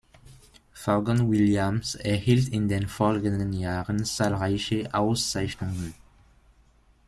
Vaughan Williams erhielt in den folgenden Jahren zahlreiche Auszeichnungen.